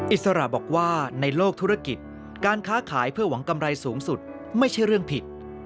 อิสระบอกว่าในโลกธุรกิจการค้าขายเพื่อหวังกำไรสูงสุดไม่ใช่เรื่องผิด